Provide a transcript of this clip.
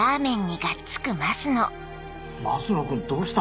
増野君どうしたの？